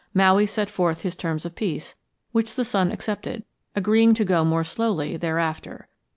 Maui set forth his terms of peace, which the sun accepted, agreeing to go more slowly thereafter.